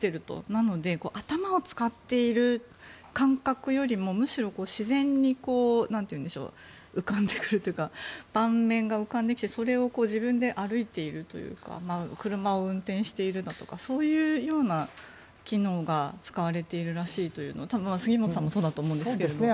なので頭を使っている感覚よりもむしろ自然に浮かんでくるというか盤面が浮かんできてそれを自分で歩いているというか車を運転しているのとかそういうような機能が使われているらしいと多分、杉本さんもそうだと思うんですが。